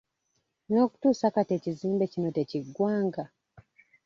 N'okutuusa kati ekizimbe kino tekiggwanga!